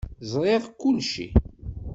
Zṛiɣ kulci.